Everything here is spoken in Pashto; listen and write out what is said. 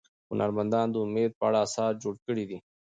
هنرمندانو د امید په اړه اثار جوړ کړي دي.